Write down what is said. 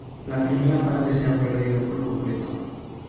La primera parte se ha perdido por completo.